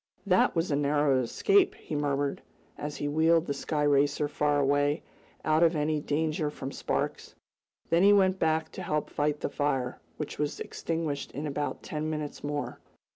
"That was a narrow escape!" he murmured, as he wheeled the sky racer far away, out of any danger from sparks. Then he went back to help fight the fire, which was extinguished in about ten minutes more.